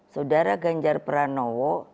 saudara ganjar pranowo